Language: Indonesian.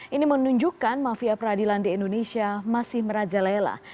ini menunjukkan mafia peradilan di indonesia masih merajalela